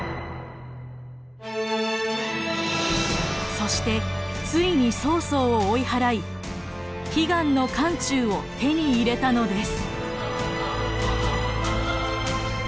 そしてついに曹操を追い払い悲願の漢中を手に入れたのです。